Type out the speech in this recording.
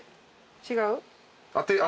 違う？